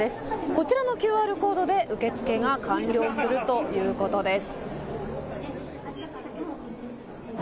こちらのＱＲコードで受け付けが完了するということです。